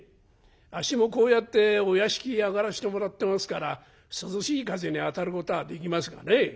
あっしもこうやってお屋敷上がらしてもらってますから涼しい風に当たることはできますがね。